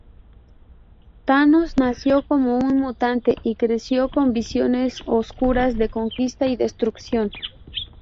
Thanos nació como un mutante y creció con visiones oscuras de conquista y destrucción.